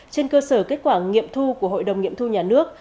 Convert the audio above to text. trên cơ sở kết quả nghiệm thu của hội đồng nghiệm thu nhà nước